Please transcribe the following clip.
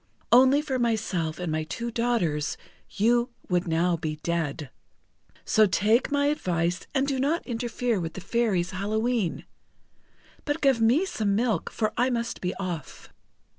Only for myself and my two daughters, you would now be dead. So take my advice and do not interfere with the Fairies' Hallowe'en. But give me some milk, for I must be off."